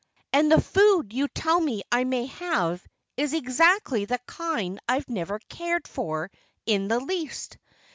"And the food you tell me I may have is exactly the kind I've never cared for in the least.